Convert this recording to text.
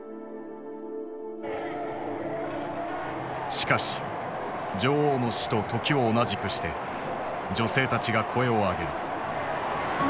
しかし女王の死と時を同じくして女性たちが声を上げる。